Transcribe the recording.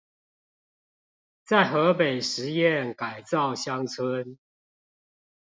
在河北實驗改造鄉村